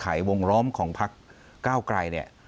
เลื่อนไขวงล้อมของพักก้าวกลายเนี่ย